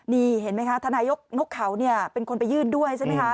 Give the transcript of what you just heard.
นี่เห็นไหมคะท่านนายกนกเขาเป็นคนไปยื่นด้วยใช่ไหมคะ